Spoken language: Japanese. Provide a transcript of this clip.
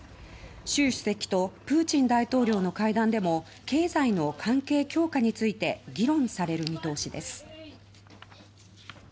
習主席とプーチン大統領の会談でも経済の関係強化について議論される見通しです。